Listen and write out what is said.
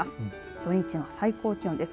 土日の最高気温です。